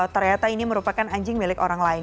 ternyata ini merupakan anjing milik orang lain